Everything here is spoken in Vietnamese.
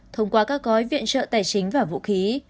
thông qua các gói viện trợ tài chính và vũ khí